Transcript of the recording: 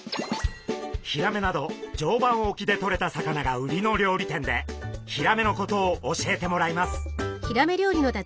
ヒラメなど常磐沖でとれた魚が売りの料理店でヒラメのことを教えてもらいます。